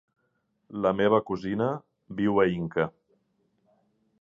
La meva cosina viu a Inca.